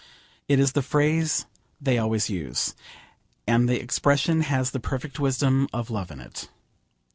It is the phrase they always use, and the expression has the perfect wisdom of love in it.